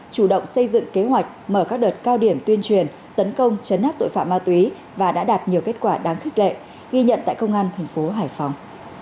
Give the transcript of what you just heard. chủ động xây dựng kế hoạch mở các đợt cao điểm tuyên truyền tấn công chấn áp tội phạm ma túy và đã đạt nhiều kết quả đáng khích lệ ghi nhận tại công an thành phố hải phòng